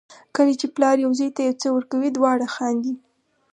کله چې پلار یو زوی ته یو څه ورکوي دواړه خاندي.